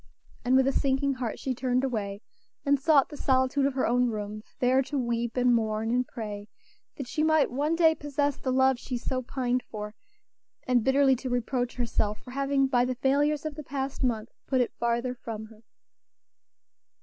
And with a sinking heart she turned away and sought the solitude of her own room, there to weep, and mourn, and pray that she might one day possess the love she so pined for, and bitterly to reproach herself for having by the failures of the past month put it farther from her.